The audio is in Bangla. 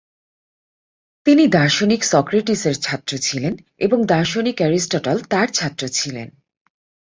তিনি দার্শনিক সক্রেটিসের ছাত্র ছিলেন এবং দার্শনিক এরিস্টটল তার ছাত্র ছিলেন।